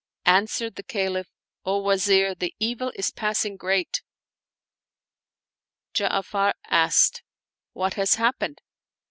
" Answered the Caliph, " O Wazir, the evil is passing great 1" Ja'afar asked, "What has happened